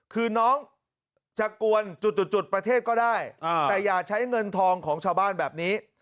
คือน้องจะกวนจุดประเทศก็ได้แต่อย่าใช้เงินทองของชาวบ้านแบบนี้